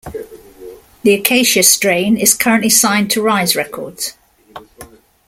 The Acacia Strain is currently signed to Rise Records.